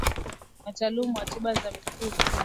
Wataalamu wa tiba za mifugo